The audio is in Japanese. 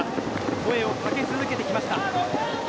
声を掛け続けてきました。